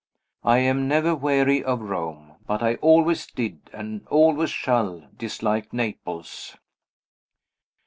I am never weary of Rome but I always did, and always shall, dislike Naples.